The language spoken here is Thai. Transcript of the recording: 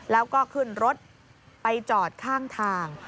แล้วก็ขึ้นรถไปจอดข้างทาง